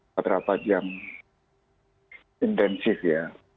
keterapat yang intensif ya